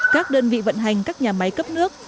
các đơn vị vận hành các nhà máy cấp nước